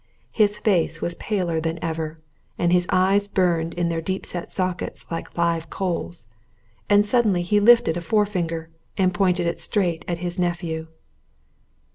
His face was paler than ever, and his eyes burned in their deep set sockets like live coals. And suddenly he lifted a forefinger and pointed it straight at his nephew.